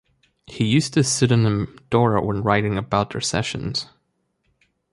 He used the pseudonym Dora when writing about their sessions.